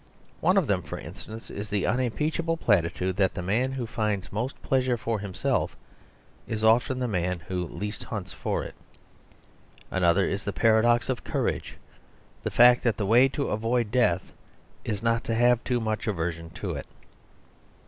One of them, for instance, is the unimpeachable platitude that the man who finds most pleasure for himself is often the man who least hunts for it. Another is the paradox of courage; the fact that the way to avoid death is not to have too much aversion to it.